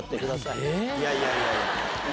いやいやいや。